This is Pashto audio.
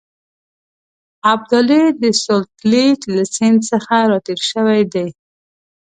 ابدالي د سوتلیج له سیند څخه را تېر شوی دی.